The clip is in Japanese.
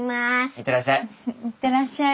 行ってらっしゃい。